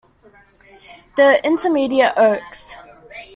The intermediate oaks.